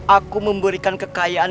aku memberikan kekayaan